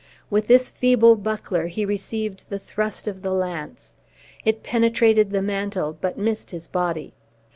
With this feeble buckler he received the thrust of the lance. It penetrated the mantle, but missed his body.